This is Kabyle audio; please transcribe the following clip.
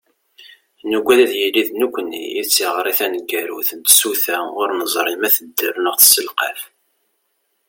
Nugad ad yili d nekkni i d tiɣri taneggarut n tsuta ur neẓri ma tedder neɣ tesselqaf.